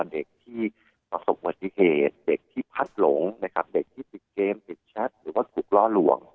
เด็กที่ประสบวติเหตุเด็กที่พัดหลงนะครับเด็กที่ติดเกมติดแชทหรือว่าถูกล่อลวง